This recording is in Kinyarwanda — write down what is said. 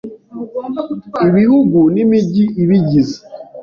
Ibihugu nimigi ibigize